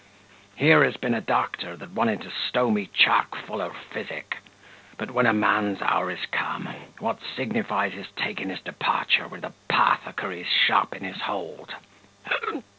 Here has been a doctor that wanted to stow me chock full of physic; but, when a man's hour is come, what signifies his taking his departure with a 'pothecary's shop in his hold?